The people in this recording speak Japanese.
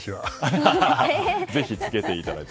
ぜひ、つけていただいて。